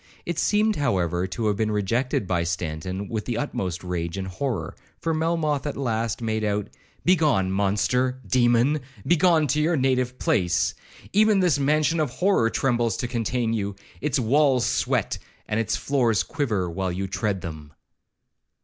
It seemed, however, to have been rejected by Stanton with the utmost rage and horror, for Melmoth at last made out,—'Begone, monster, demon!—begone to your native place. Even this mansion of horror trembles to contain you; its walls sweat, and its floors quiver, while you tread them.'